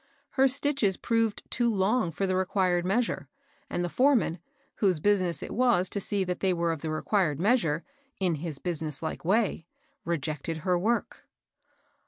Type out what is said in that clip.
Her stitches proved too long for the required measure, and the foreman, whose business it was to see that they were of the required measure, in his business hke way, rejected her work.